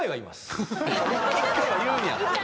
１回は言うんや。